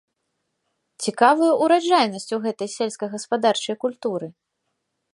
Цікавая ураджайнасць у гэтай сельскагаспадарчай культуры!